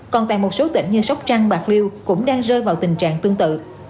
còn tại một số tỉnh như sóc trăng bạc liêu cũng đang rơi vào tình trạng tương tự